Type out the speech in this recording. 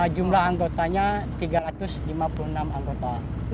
jumlah anggotanya tiga ratus lima puluh enam anggota